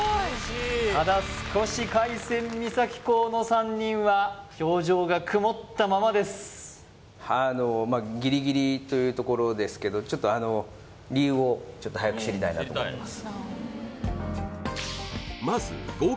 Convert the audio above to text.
ただ少し海鮮三崎港の３人は表情が曇ったままですですけどちょっとあの理由を早く知りたいなと思います